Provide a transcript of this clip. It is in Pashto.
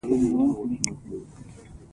استاد د ښو اړيکو درناوی کوي.